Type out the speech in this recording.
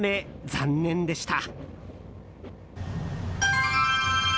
残念でした。